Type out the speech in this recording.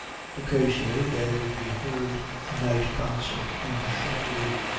Occasionally there would be heard a night concert in the shrubbery.